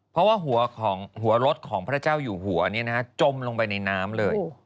เพราะว่าหัวรถของพระเจ้าอยู่หัวจมลงไปในน้ำเลย